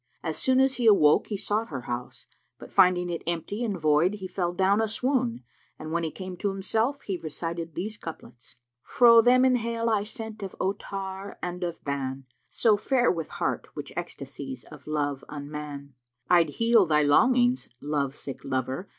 As soon as he awoke he sought her house, but finding it empty and void he fell down a swoon; and when he came to himself, he recited these couplets, "Fro' them inhale I scent of Ottar and of Bán; * So fare with heart which ecstasies of love unman: I'd heal thy longings (love sick lover!)